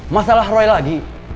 masalah roy lagi